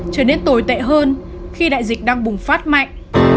trở nên tồi tệ hơn khi đại dịch đang bùng phát mạnh